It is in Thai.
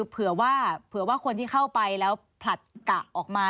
เผื่อว่าเผื่อว่าคนที่เข้าไปแล้วผลัดกะออกมา